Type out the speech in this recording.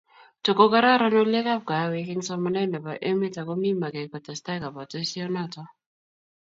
tokokararan olyekab kaawek eng somanet nebo emet ako mi make kotestai kabotisionoto